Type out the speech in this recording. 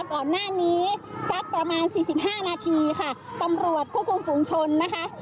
ก่อนหน้านี้สักประมาณสี่สิบห้านาทีค่ะตำรวจควบคุมฝุงชนนะคะ